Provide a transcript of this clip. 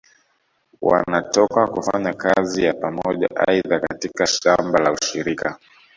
Wanatoka kufanya kazi ya Pamoja aidha katika shamba la ushirika